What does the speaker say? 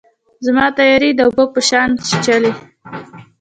زما تیارې یې د اوبو په شان چیښلي